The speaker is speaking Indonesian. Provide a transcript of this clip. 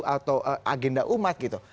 atau agenda umat